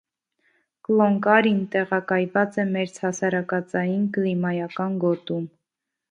Կլոնկարին տեղակայված է մերձհասարակածային կլիմայական գոտում։